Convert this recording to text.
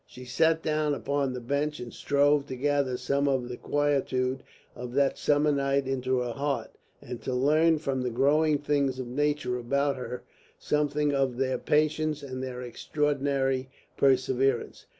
She sat down upon the bench and strove to gather some of the quietude of that summer night into her heart, and to learn from the growing things of nature about her something of their patience and their extraordinary perseverance.